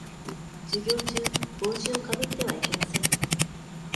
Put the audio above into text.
授業中、帽子をかぶってはいけません。